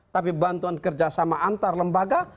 tapi bantuan kerjasama antar lembaga